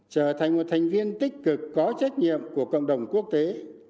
trở thành một thành viên tích cực có trách nhiệm của cộng đồng quốc tế